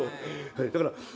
だから。